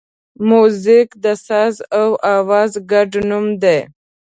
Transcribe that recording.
موزیک د ساز او آواز ګډ نوم دی.